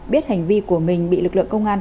biết hành vi của mình bị lực lượng công an